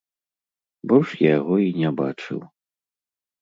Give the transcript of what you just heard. Больш я яго і не бачыў.